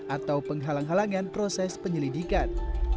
atau penghalang halangan proses penyelidikan